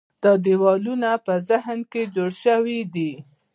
دا دیوالونه په ذهن کې جوړ شوي دي.